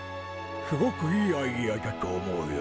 「すごくいいアイデアだと思うよ」